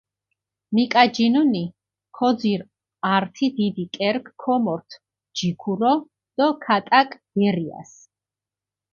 მიკაჯინჷნი, ქოძირჷ ართი დიდი კერქჷ ქომორთჷ ჯიქურო დო ქატაკჷ გერიასჷ.